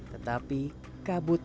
tetapi kabut sekali